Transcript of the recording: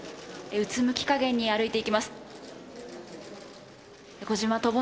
うつむきかげんに歩いていきます。